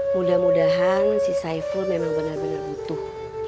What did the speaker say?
mudah mudahan si saiful memang bener bener butuh